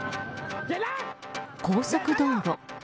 高速道路。